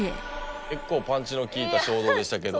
結構パンチの効いた衝動でしたけど。